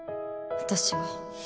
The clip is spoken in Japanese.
私は